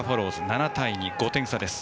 ７対２、５点差です。